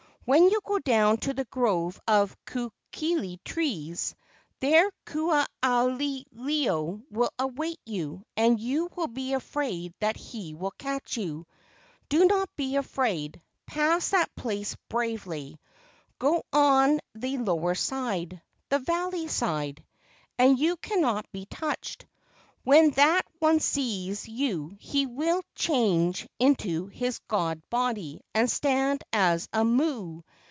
When you go down to the grove of kukui trees, there Ku aha ilo will await you and you will be afraid that he will catch you. Do not be afraid. Pass that place bravely. Go on the lower side—the valley side—and you cannot be touched. When that one sees you he will change into his god body and stand as a mo o.